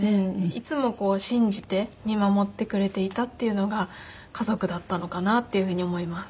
いつも信じて見守ってくれていたっていうのが家族だったのかなっていうふうに思います。